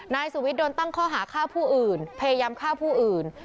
นายสุวิทย์โดนตั้งข้อหาฆ่าผู้อื่นพยายามฆ่าผู้อื่น